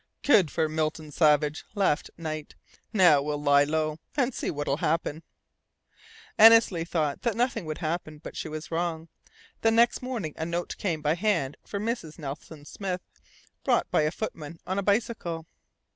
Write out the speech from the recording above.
"Good for Milton Savage," laughed Knight. "Now we'll lie low, and see what will happen." Annesley thought that nothing would happen; but she was wrong. The next morning a note came by hand for Mrs. Nelson Smith, brought by a footman on a bicycle.